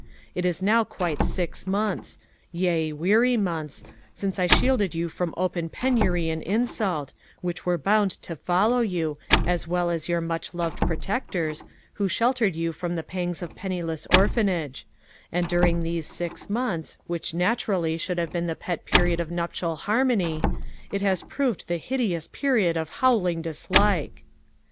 It is now quite six months yea, weary months since I shielded you from open penury and insult, which were bound to follow you, as well as your much loved protectors, who sheltered you from the pangs of penniless orphanage; and during these six months, which naturally should have been the pet period of nuptial harmony, it has proved the hideous period of howling dislike!